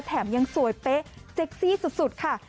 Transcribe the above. แถมยังสวยเป๊ะเซ็กซี่สุดค่ะ